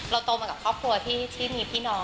เราโตเหมือนกับครอบครัวที่มีพี่น้อง